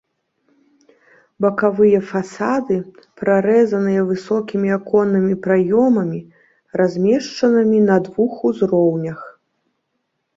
Бакавыя фасады прарэзаныя высокімі аконнымі праёмамі, размешчанымі на двух узроўнях.